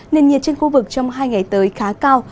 nền nhiệt trên khu vực trong hai ngày tới khá cao